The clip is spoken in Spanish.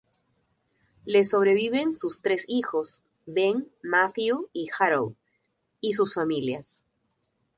Les sobreviven sus tres hijos, Ben, Matthew y Harold, y sus familias.